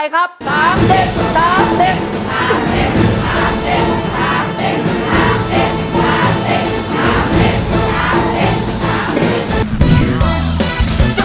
ขอบคุณค่ะ